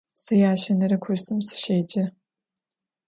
Se yaşenere kursım sışêce.